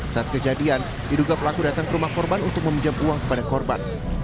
saat kejadian diduga pelaku datang ke rumah korban untuk meminjam uang kepada korban